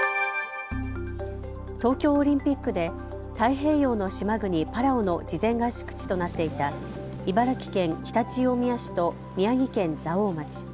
東京オリンピックで太平洋の島国、パラオの事前合宿地となっていた茨城県常陸大宮市と宮城県蔵王町。